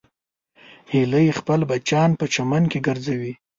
هیلۍ خپل بچیان په چمن کې ګرځوي